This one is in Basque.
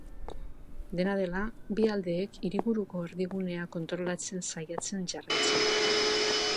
Dena dela, bi aldeek hiriburuko erdigunea kontrolatzen saiatzen jarraitzen dute.